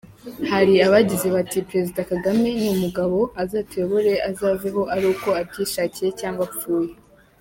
Hari abagize bati: “Perezida Kagame ni umugabo, azatuyobore, azaveho ari uko abyishakiye cyangwa apfuye.